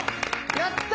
やった！